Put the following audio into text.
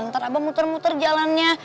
nanti abah muter muter jalannya